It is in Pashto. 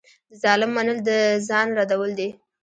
د ظالم منل د ځان ردول دي.